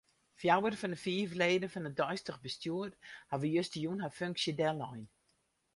Fjouwer fan 'e fiif leden fan it deistich bestjoer hawwe justerjûn har funksje dellein.